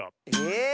え。